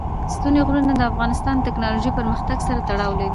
ستوني غرونه د افغانستان د تکنالوژۍ پرمختګ سره تړاو لري.